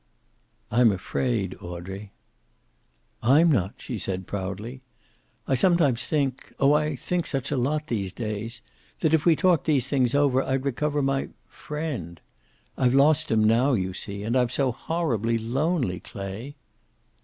"I'm afraid, Audrey." "I'm not," she said proudly. "I sometimes think oh, I think such a lot these days that if we talked these things over, I'd recover my friend. I've lost him now, you see. And I'm so horribly lonely, Clay."